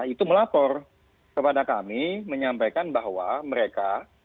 itu melapor kepada kami menyampaikan bahwa mereka